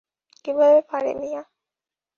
কিভাবে পারো মিয়া?